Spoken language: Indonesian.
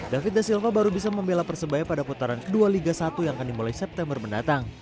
david da silva baru bisa membela persebaya pada putaran kedua liga satu yang akan dimulai september mendatang